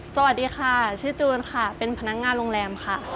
สวัสดีค่ะชื่อจูนค่ะเป็นพนักงานโรงแรมค่ะ